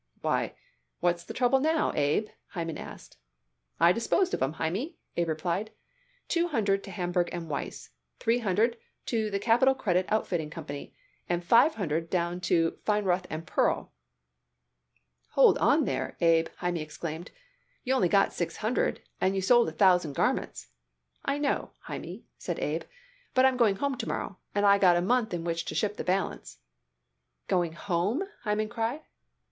"Why, what's the trouble now, Abe?" Hyman asked. "I disposed of 'em, Hymie," Abe replied. "Two hundred to Hamburg and Weiss. Three hundred to the Capitol Credit Outfitting Company, and five hundred to Feinroth and Pearl." "Hold on there, Abe!" Hymie exclaimed. "You only got six hundred, and you sold a thousand garments." "I know, Hymie," said Abe, "but I'm going home to morrow, and I got a month in which to ship the balance." "Going home?" Hyman cried.